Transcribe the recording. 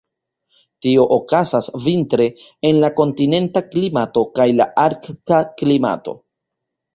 Tio okazas vintre en la kontinenta klimato kaj la arkta klimato.